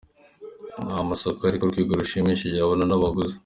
Ni amasoko ari ku rwego rushimishije babona n’abaguzi.